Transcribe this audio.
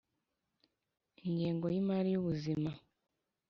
Ingengo y imari y ubuzima